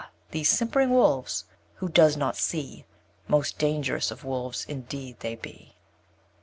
these simpering Wolves! Who does not see Most dangerous of Wolves indeed they be?